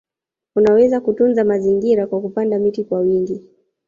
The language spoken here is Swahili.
Unaweza kutunza mazingira kwa kupanda miti kwa wingi